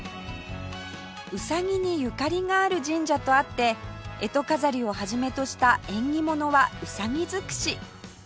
ウサギにゆかりがある神社とあって干支飾りをはじめとした縁起物はウサギ尽くし